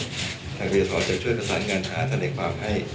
นักเรียนอาจารย์จะช่วยกระสานงานอาจารย์ในความให้